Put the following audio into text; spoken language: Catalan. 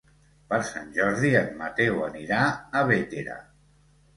Per Sant Jordi en Mateu anirà a Bétera.